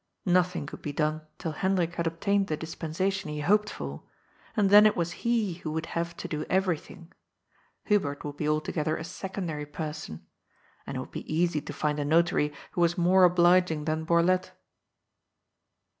Nothing could be done till Hendrik had obtained the dis pensation he hoped for, and then it was he who would haTe to do eTerything. Hubert would be altogether a secondary person. And it would be easy to find a notary who was more obliging than Borlett.